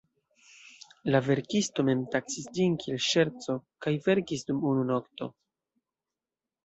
La verkisto mem taksis ĝin kiel "ŝerco" kaj verkis dum unu nokto.